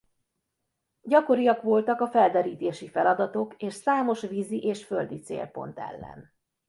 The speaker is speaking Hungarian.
Gyakoriak voltak a felderítési feladatok és számos vízi és földi célpont ellen.